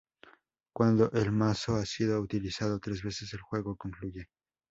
Cuando el mazo ha sido utilizado tres veces, el juego concluye.